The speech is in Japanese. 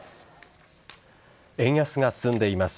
円安が進んでいます。